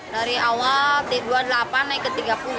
dari awal dua puluh delapan naik ke tiga puluh